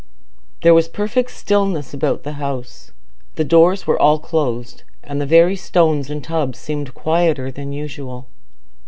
There was perfect stillness about the house. The doors were all closed, and the very stones and tubs seemed quieter than usual.